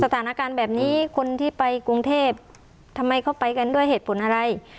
สถานการณ์แบบนี้คนที่ไปกรุงเทพทำไมเขาไปกันด้วยเหตุผลอะไร